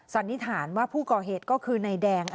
สันนิษฐานว่าผู้ก่อเหตุก็คือนายแดง